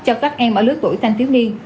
cho các em ở lưới tuổi thanh thiếu niên